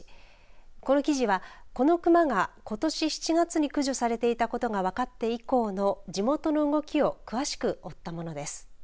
この記事はこの熊がことし７月に駆除されていたことが分かって以降の地元の動きを詳しく追ったものです。